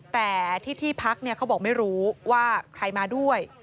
แต่ที่ที่พักเขาบอกไม่รู้ว่าใครมาด้วย